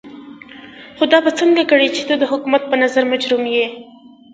خو دا به څنګه کړې چې ته د حکومت په نظر مجرم يې.